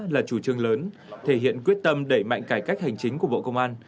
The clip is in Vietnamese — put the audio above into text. là chủ trương lớn thể hiện quyết tâm đẩy mạnh cải cách hành chính của bộ công an